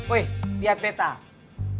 wih lihat betai